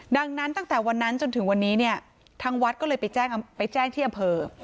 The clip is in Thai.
ดังนั้นตั้งแต่วันนั้นจนถึงวันนี้เนี่ยทางวัดก็เลยไปแจ้งไปแจ้งที่อำเภอ